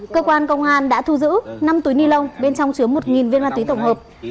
cơ quan công an đã thu giữ năm túi ni lông bên trong chứa một viên ma túy tổng hợp